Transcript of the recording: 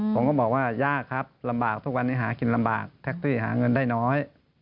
ผมก็บอกว่ายากครับลำบากทุกวันนี้หากินลำบากแท็กซี่หาเงินได้น้อย